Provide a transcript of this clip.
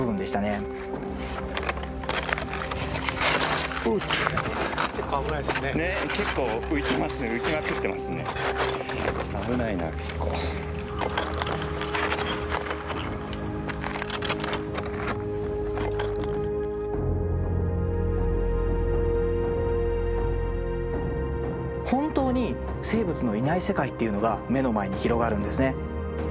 本当に生物のいない世界っていうのが目の前に広がるんですね。